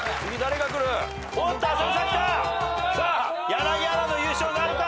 柳原の優勝なるか？